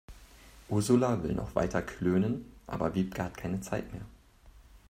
Ursula will noch weiter klönen, aber Wiebke hat keine Zeit mehr.